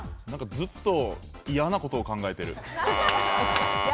ずっと嫌なことを考えている。